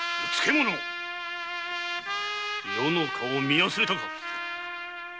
余の顔を見忘れたか！